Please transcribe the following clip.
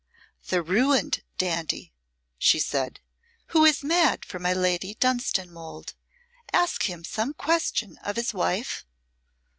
"The ruined dandy," she said, "who is mad for my Lady Dunstanwolde. Ask him some question of his wife?"